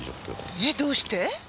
えっどうして？